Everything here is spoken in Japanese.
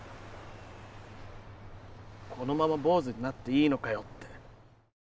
このまま坊主になっていいのかよって。